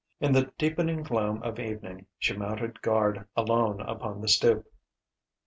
In the deepening gloom of evening she mounted guard alone upon the stoop.